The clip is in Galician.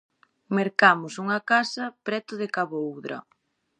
Mercamos unha casa preto de Cabo Udra.